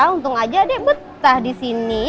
untung aja deh betah di sini